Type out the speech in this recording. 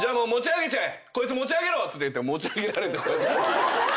「こいつ持ち上げろ」っつって持ち上げられてこうやって。